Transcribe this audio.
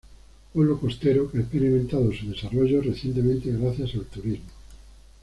Pueblo costero, que ha experimentado su desarrollo recientemente gracias al turismo.